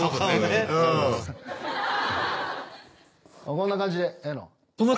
こんな感じでええの？